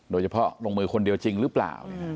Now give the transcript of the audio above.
โดยเฉพาะลงมือคนเดียวจริงหรือเปล่า